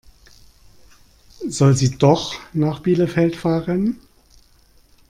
Soll sie doch nach Bielefeld fahren?